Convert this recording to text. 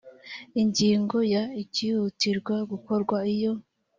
ingingo ya icyihutirwa gukorwa iyo